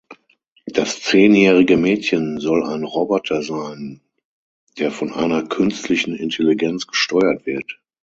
Das zehnjährige Mädchen soll ein Roboter sein, der von einer künstlichen Intelligenz gesteuert wird.